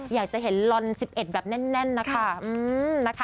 อยากจะเห็นลอน๑๑แบบแน่นนะคะ